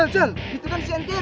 cel cel gitukan si nkr